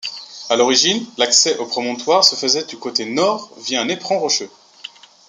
À l'origine l'accès au promontoire se faisait du côté nord via un éperon rocheux.